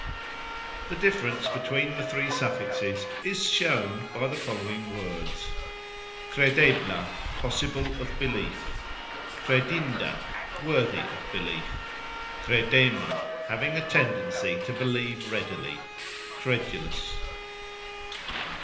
The difference between the three suffixes is shown by the following words: "Kredebla", possible of belief; "kredinda", worthy of belief; "kredema", having a tendency to believe readily, credulous.